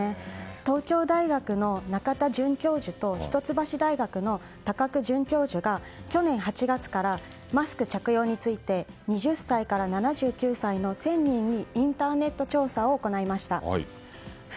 東京大学の仲田准教授と一橋大学の高久准教授が去年８月からマスク着用について２０歳から７９歳の１０００人にインターネット調査を行いました。